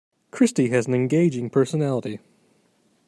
Christy has an engaging personality.